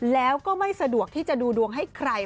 แล้วก็ไม่สะดวกที่จะดูดวงให้ใคร